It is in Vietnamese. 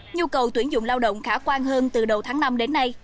nhu cầu tuyển dụng lao động khả quan hơn từ đầu tháng năm đến nay